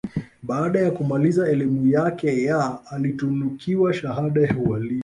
Baada ya kumaliza elimu yake ya alitunukiwa Stahahada ya Ualimu